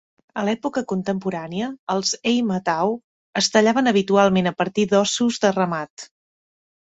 A l'època contemporània, els "hei matau" es tallaven habitualment a partir d'ossos de ramat.